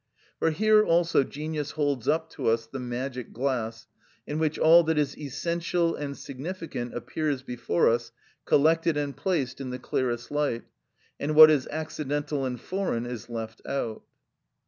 For here also genius holds up to us the magic glass, in which all that is essential and significant appears before us collected and placed in the clearest light, and what is accidental and foreign is left out.